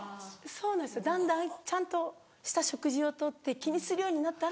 そうなんですよだんだんちゃんとした食事を取って気にするようになったら。